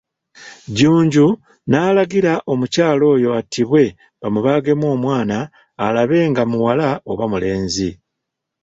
Jjunju n'alagira omukyala oyo attibwe bamubaagemu omwana alabe nga muwala oba mulenzi.